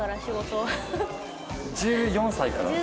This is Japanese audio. １４歳から？